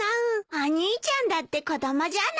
お兄ちゃんだって子供じゃない。